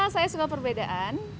saya suka perbedaan